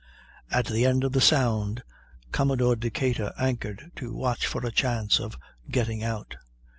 At the end of the sound Commodore Decatur anchored to watch for a chance of getting out.